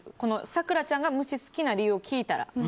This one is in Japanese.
咲楽ちゃんが虫好きな理由を聞いたら。